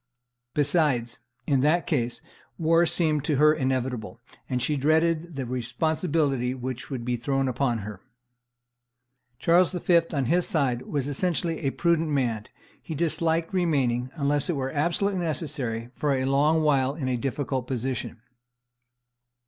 Besides, in that case, war seemed to her inevitable; and she dreaded the responsibility which would be thrown upon her. Charles V., on his side, was essentially a prudent man; he disliked remaining, unless it were absolutely necessary, for a long while in a difficult position.